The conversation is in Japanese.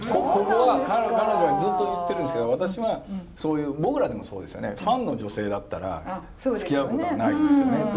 ここは彼女はずっと言ってるんですけど私はそういう僕らでもそうですよねファンの女性だったらつきあうことはないですよね。